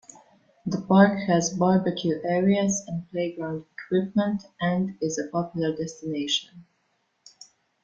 The park has barbecue areas and playground equipment, and is a popular destination.